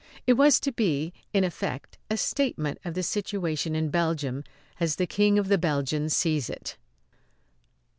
It was to be, in effect, a statement of the situation in Belgium as the King of the Belgians sees it.